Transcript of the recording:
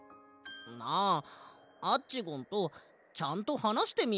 なあアッチゴンとちゃんとはなしてみようぜ。